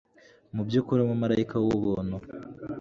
mubyukuri umumarayika wubuntu